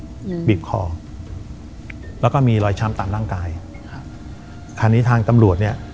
อืมบีบคอแล้วก็มีรอยช้ำตามร่างกายครับคราวนี้ทางตำรวจเนี้ย